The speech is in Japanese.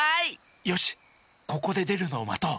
よしここででるのをまとう。